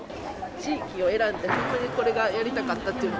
地域を選んで、本当にこれがやりたかったという。